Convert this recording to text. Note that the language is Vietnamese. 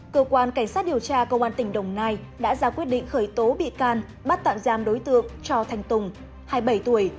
cơ quan cảnh sát điều tra công an tỉnh đồng nai đã ra quyết định khởi tố bị can bắt tạm giam đối tượng cho thanh tùng hai mươi bảy tuổi